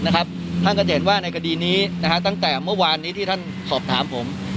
ท่านก็จะเห็นว่าในคดีนี้ตั้งแต่เมื่อวานนี้ที่ท่านสอบถามผม